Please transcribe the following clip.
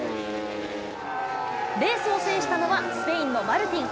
レースを制したのは、スペインのマルティン。